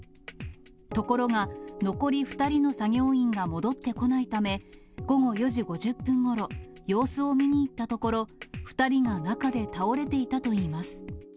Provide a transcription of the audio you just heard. ところが、残り２人の作業員が戻ってこないため、午後４時５０分ごろ、様子を見に行ったところ、２人が中で倒れていたといいます。